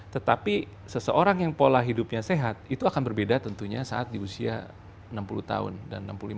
tetapi seseorang yang pola hidupnya sehat itu akan berbeda tentunya saat di usia enam puluh tahun dan enam puluh lima tahun